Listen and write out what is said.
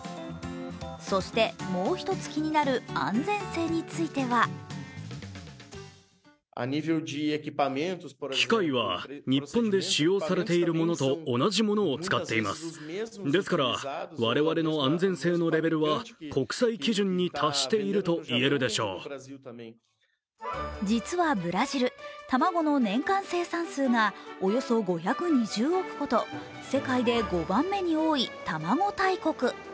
そして、もう１つ気になる安全性については実はブラジル、卵の年間生産数がおよそ２５０億個と世界で５番目に多い卵大国。